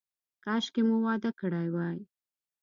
کاشکې مو واده کړی وای.